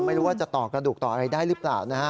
ไม่รู้ว่าจะต่อกระดูกต่ออะไรได้หรือเปล่านะฮะ